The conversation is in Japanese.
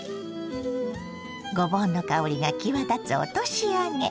ごぼうの香りが際立つ落とし揚げ。